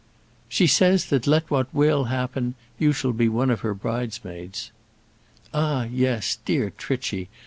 "She says, that let what will happen you shall be one of her bridesmaids." "Ah, yes, dear Trichy!